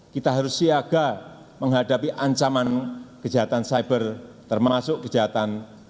kita harus siaga menghadapi ancaman kejahatan cyber termasuk kejahatan